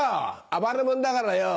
暴れ者だからよ